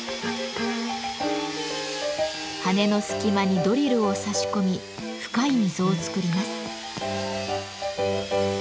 羽の隙間にドリルを差し込み深い溝を作ります。